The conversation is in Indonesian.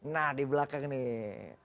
nah di belakang nih